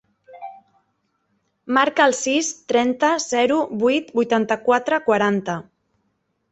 Marca el sis, trenta, zero, vuit, vuitanta-quatre, quaranta.